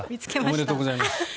おめでとうございます。